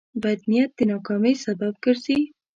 بد نیت د ناکامۍ سبب ګرځي.